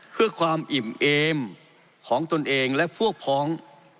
เพื่อความอิ่มเอมของตนเองและพวกพ้อง